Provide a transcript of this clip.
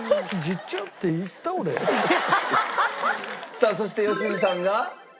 さあそして良純さんが牛丼。